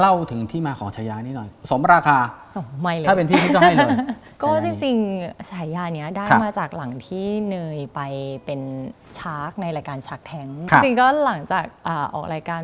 เล่าถึงที่มาของฉายานี่หน่อยสมราคา